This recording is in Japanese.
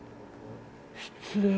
失礼。